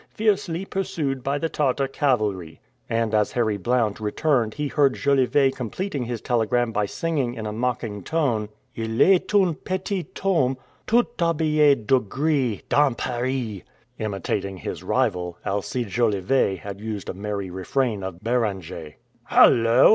Fiercely pursued by the Tartar cavalry." And as Harry Blount returned he heard Jolivet completing his telegram by singing in a mocking tone: "II est un petit homme, Tout habille de gris, Dans Paris!" Imitating his rival, Alcide Jolivet had used a merry refrain of Beranger. "Hallo!"